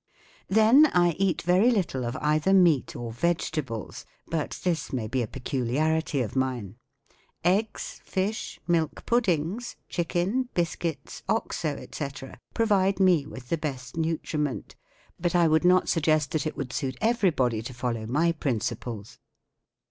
Then I eat very little of either meat or vegc* tables ; but this may be a peculiarity of mine. Eggs, fish, milk puddings, chicken, biscuits, Gxo, etc.* provide me with the best nutriment ; but I would not suggest that it would suit every¬ body to follow my principles.